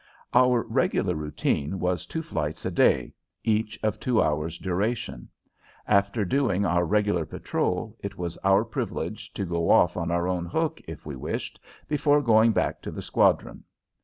Our regular routine was two flights a day, each of two hours' duration. After doing our regular patrol, it was our privilege to go off on our own hook, if we wished, before going back to the squadron.